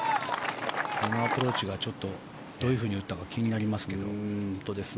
あのアプローチがどう打ったか気になりますけど。